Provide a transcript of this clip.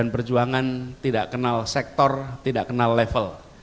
perjuangan tidak kenal sektor tidak kenal level